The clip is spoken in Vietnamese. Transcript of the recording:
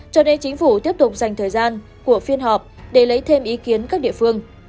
cho đây chính phủ tiếp tục dành thời gian của phiên họp để lấy thêm ý kiến các địa phương